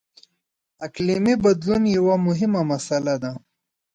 • اقلیمي بدلون یوه مهمه مسله ده.